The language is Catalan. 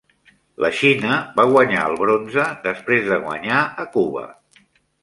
La Xina va guanyar el bronze després de guanyar a Cuba.